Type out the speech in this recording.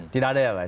tidak ada yang lain